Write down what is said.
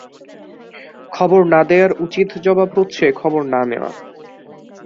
খবর না-দেওয়ার উচিত জবাব হচ্ছে খবর না-নেওয়া।